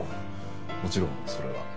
もちろんそれは。